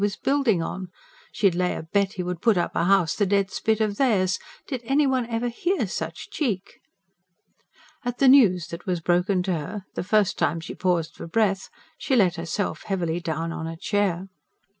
was building on. She'd lay a bet he would put up a house the dead spit of theirs. Did ever anyone hear such cheek? At the news that was broken to her, the first time she paused for breath, she let herself heavily down on a chair.